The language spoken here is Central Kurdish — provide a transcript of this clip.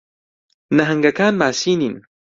نەھەنگەکان ماسی نین.